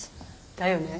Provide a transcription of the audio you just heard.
だよね。